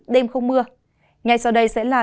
đêm không mưa ngày sau đây sẽ là